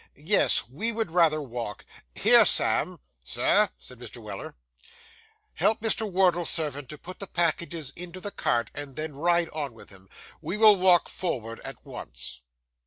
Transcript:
'Yes, we would rather walk. Here, Sam!' 'Sir,' said Mr. Weller. 'Help Mr. Wardle's servant to put the packages into the cart, and then ride on with him. We will walk forward at once.